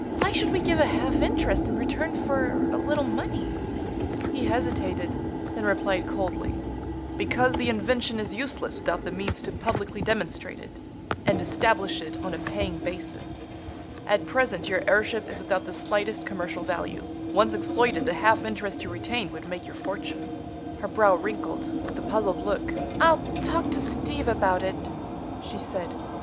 Why should we give a half interest in return for a little money?" He hesitated; then replied coldly: "Because the invention is useless without the means to publicly demonstrate it, and establish it on a paying basis. At present your airship is without the slightest commercial value. Once exploited, the half interest you retain would make your fortune." Her brow wrinkled with a puzzled look. "I'll talk to Steve about it," she said.